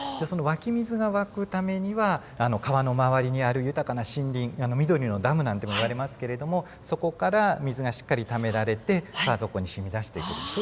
その湧き水が湧くためには川の周りにある豊かな森林緑のダムなんてもいわれますけれどもそこから水がしっかりためられて川底に染み出してくる。